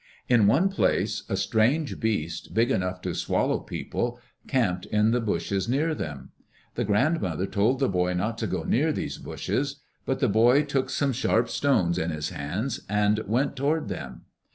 In one place a strange beast, big enough to swallow people, camped in the bushes near them. The grand mother told the boy not to go near these bushes. But the boy took some sharp stones in his hands, and went toward them.